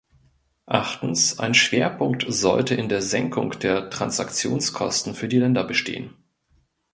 Achtens, ein Schwerpunkt sollte in der Senkung der Transaktionskosten für die Länder bestehen.